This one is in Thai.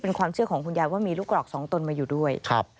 เป็นความเชื่อของคุณยายว่ามีลูกกรอกสองตนมาอยู่ด้วย